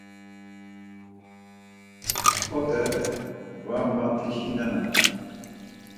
P̆ot̆e va mat̆işinenan.